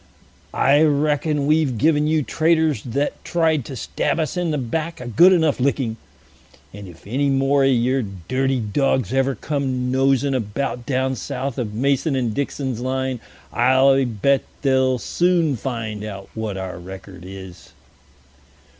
"I reckon we've given you traitors that tried to stab us in the back a good enough licking; and if any more of your dirty dogs ever come nosing about down south of Mason and Dixon's Line, I bet they'll soon find out what our record is."